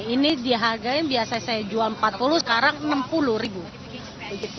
ini dihargai biasanya saya jual rp empat puluh sekarang rp enam puluh